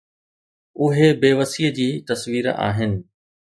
اهي بيوسيءَ جي تصوير آهن.